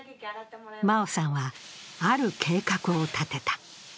茉緒さんは、ある計画を立てた。